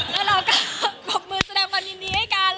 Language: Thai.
แล้วเราก็ตรบมือแสดงวันนี้ให้กัน